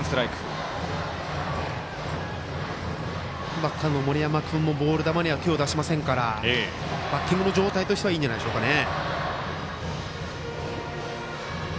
バッターの森山君もボール球には手を出しませんからバッティングの状態としてはいいんじゃないでしょうか。